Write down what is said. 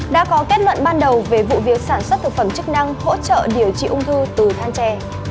đã có kết luận ban đầu về vụ việc sản xuất thực phẩm chức năng hỗ trợ điều trị ung thư từ than tre